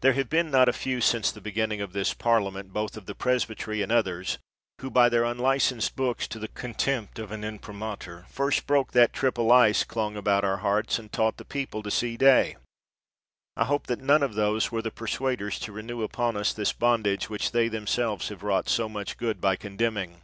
There have been not a few since the beginning of this Parliament, both of the Presbytery and others, who by their unlicensed books, to the contempt of an Imprimatur, first broke that triple ice clung about our hearts, and taught the people to see day: I hope that none of those were the persuaders to renew upon us this bond age which they themselves have wrought so much iii—s 113 THE WORLD'S FAMOUS ORATIONS good by contemning.